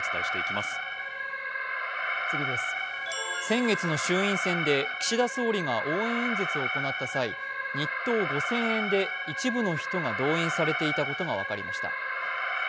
先月の衆院選で岸田総理が応援演説を行った際、日当５０００円で一部の人が動員されていたことが分かりました。